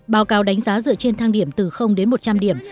báo cáo đánh giá dựa trên thang điểm từ đến một trăm linh điểm